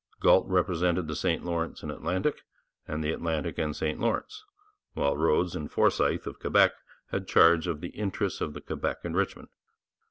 Galt represented the St Lawrence and Atlantic and the Atlantic and St Lawrence, while Rhodes and Forsythe of Quebec had charge of the interests of the Quebec and Richmond.